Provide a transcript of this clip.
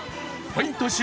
ポイント